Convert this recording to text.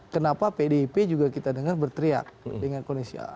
kenapa pdip juga kita dengar berteriak dengan kondisi a